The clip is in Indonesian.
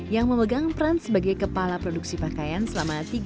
yang memegang peran sebagai kepala produksi pakaian selama tiga bulan